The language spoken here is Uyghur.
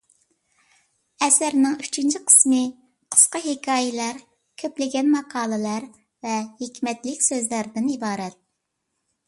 ئەسەرنىڭ ئۈچىنچى قىسمى قىسقا ھېكايىلەر، كۆپلىگەن ماقالىلەر ۋە ھېكمەتلىك سۆزلەردىن ئىبارەت.